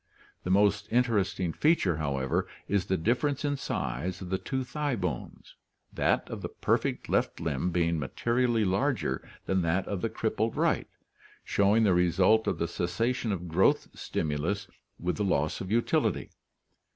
The most interesting feature, however, is the difference in size of the two thigh bones, that of the perfect left limb being materially larger than that of the crippled right, showing the result of the cessation of growth stimulus with the loss of utility.